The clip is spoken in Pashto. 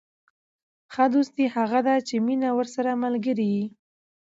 ښه دوستي هغه ده، چي مینه ورسره ملګرې يي.